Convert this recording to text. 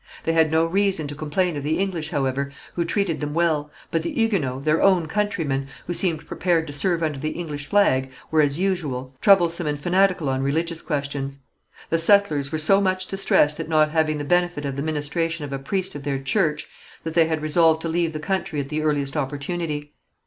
They had no reason to complain of the English, however, who treated them well, but the Huguenots, their own countrymen, who seemed prepared to serve under the English flag, were, as usual, troublesome and fanatical on religious questions. The settlers were so much distressed at not having the benefit of the ministration of a priest of their church, that they had resolved to leave the country at the earliest opportunity.